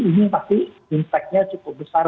ini pasti impact nya cukup besar